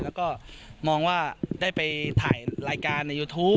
แล้วก็มองว่าได้ไปถ่ายรายการในยูทูป